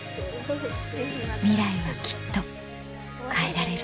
ミライはきっと変えられる